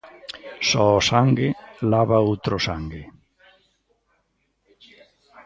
Só o sangue lava outro sangue.